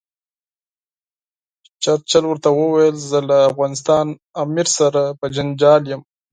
چرچل ورته وویل زه له افغانستان امیر سره په جنجال یم.